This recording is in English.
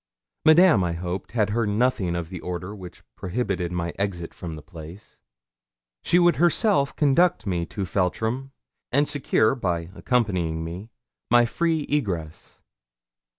Madame, I hoped, had heard nothing of the order which prohibited my exit from the place. She would herself conduct me to Feltram, and secure, by accompanying me, my free egress.